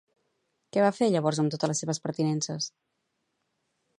Què va fer llavors amb totes les seves pertinences?